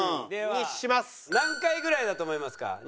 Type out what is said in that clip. では何回ぐらいだと思いますか？